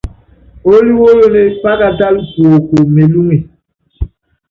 Oólí wólonée, pákatála kuoko melúŋe.